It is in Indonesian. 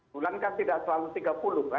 bulan kan tidak selalu tiga puluh kan